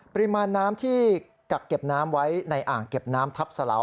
ปริมาณน้ำที่กักเก็บน้ำไว้ในอ่างเก็บน้ำทับสลาว